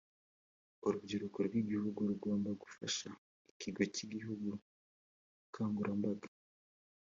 urubyiruko rw’igihugu rugomba gufasha ikigo cy’igihugu ubukangurambaga